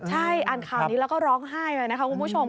ใช่อ่านข่าวนี้แล้วก็ร้องไห้เลยนะคะคุณผู้ชม